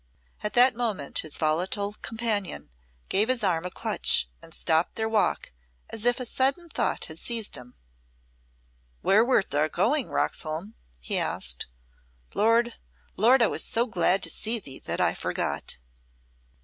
At that moment his volatile companion gave his arm a clutch and stopped their walk as if a sudden thought had seized him. "Where wert thou going, Roxholm?" he asked. "Lord, Lord, I was so glad to see thee, that I forgot."